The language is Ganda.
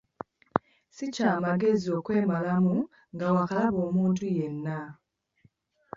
Si kya magezi kwemalamu nga waakalaba omuntu yenna.